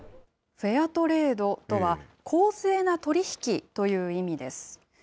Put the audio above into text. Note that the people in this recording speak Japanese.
フェアトレードとは、公正な取り引きという意味です。